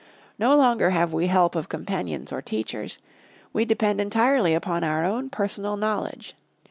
No longer have we help of companions or teachers. We depend entirely upon our own personal knowledge.